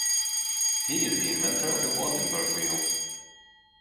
He is the inventor of the Wartenberg Wheel.